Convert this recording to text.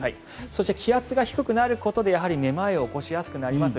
そして気圧が低くなることでやはりめまいを起こしやすくなります。